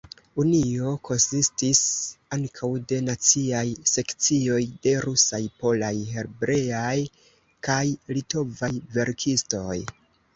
Unio konsistis ankaŭ de naciaj sekcioj de rusaj, polaj, hebreaj kaj litovaj verkistoj.